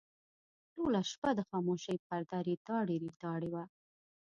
ټوله شپه د خاموشۍ پرده ریتاړې ریتاړې وه.